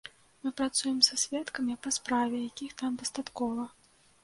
Мы працуем са сведкамі па справе, якіх там дастаткова.